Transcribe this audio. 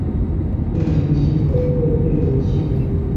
共晶系统或共熔系统。